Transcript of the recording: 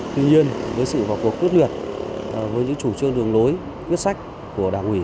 tuy nhiên với sự vào cuộc quyết liệt với những chủ trương đường lối quyết sách của đảng ủy